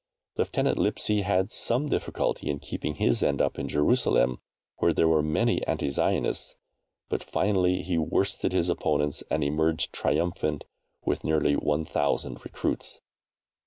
Lieutenant Lipsey had some difficulty in keeping his end up in Jerusalem, where there were many anti Zionists, but finally he worsted his opponents and emerged triumphant with nearly 1,000 recruits.